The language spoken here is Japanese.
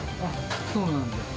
そうなんですね。